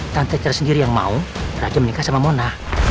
tante citra sendiri yang mau raja menikah sama mona